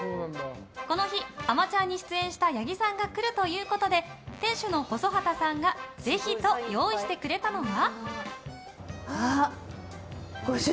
この日、番組に出演した八木さんが来るということで店主の細畑さんが、ぜひと用意してくれたのが。